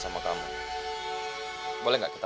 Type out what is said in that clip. menurut saya bener banget